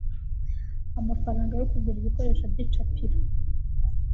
amafaranga yo kugura ibikoresho by'icapiro,